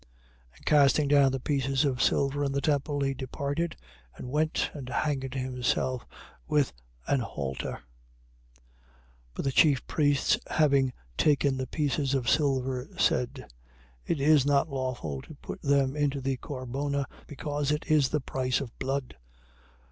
27:5. And casting down the pieces of silver in the temple, he departed and went and hanged himself with an halter. 27:6. But the chief priests having taken the pieces of silver, said: It is not lawful to put them into the corbona, because it is the price of blood.